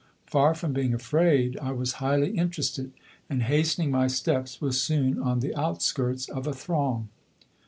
Far from being afraid I was highly interested, and hastening my steps was soon on the outskirts of a throng.